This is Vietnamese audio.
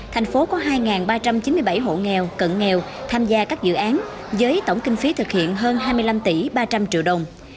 thành phố có hai ba trăm chín mươi bảy hộ nghèo cận nghèo tham gia các dự án với tổng kinh phí thực hiện hơn hai mươi năm tỷ ba trăm linh triệu đồng